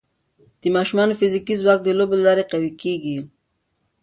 د ماشومانو فزیکي ځواک د لوبو له لارې قوي کېږي.